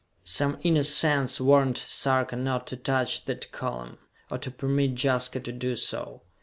Some inner sense warned Sarka not to touch that column, or to permit Jaska to do so.